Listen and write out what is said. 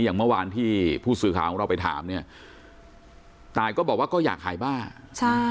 อย่างเมื่อวานที่ผู้สื่อข่าวของเราไปถามเนี่ยตายก็บอกว่าก็อยากขายบ้าใช่